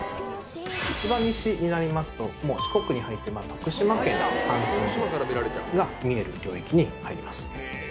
一番西になりますともう四国に入って徳島県の山頂が見える領域に入ります。